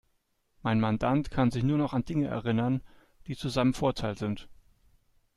Mein Mandant kann sich nur noch an Dinge erinnern, die zu seinem Vorteil sind.